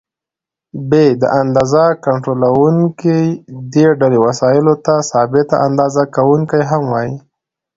ب: د اندازې کنټرولوونکي: دې ډلې وسایلو ته ثابته اندازه کوونکي هم وایي.